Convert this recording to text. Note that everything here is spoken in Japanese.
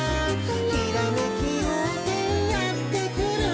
「ひらめきようせいやってくる」